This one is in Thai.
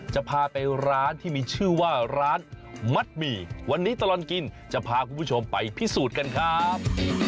จะพาไปร้านที่มีชื่อว่าร้านมัดหมี่วันนี้ตลอดกินจะพาคุณผู้ชมไปพิสูจน์กันครับ